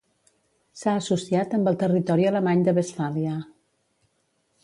S'ha associat amb el territori alemany de Westfàlia.